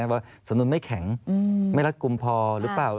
ว่าสำนวนไม่แข็งไม่รัดกลุ่มพอหรือเปล่า